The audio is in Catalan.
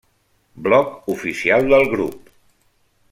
Blog oficial del grup.